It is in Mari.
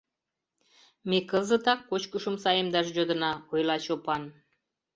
— Ме кызытак кочкышым саемдаш йодына, — ойла Чопан.